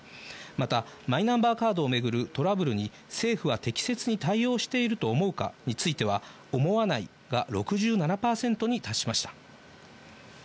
また、マイナンバーカードを巡るトラブルに政府は適切に対応していると思うかについては思わないが６７％に達しました。